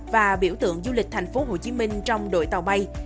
và biểu tượng du lịch thành phố hồ chí minh trong đội tàu bay